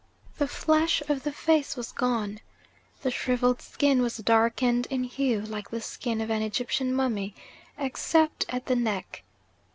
The flesh of the face was gone. The shrivelled skin was darkened in hue, like the skin of an Egyptian mummy except at the neck.